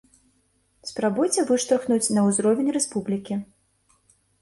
Спрабуйце выштурхнуць на ўзровень рэспублікі.